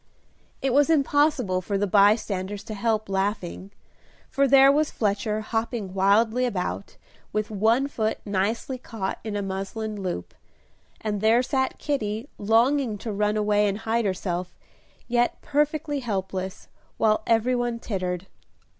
It was impossible for the bystanders to help laughing, for there was Fletcher hopping wildly about, with one foot nicely caught in a muslin loop, and there sat Kitty longing to run away and hide herself, yet perfectly helpless, while every one tittered.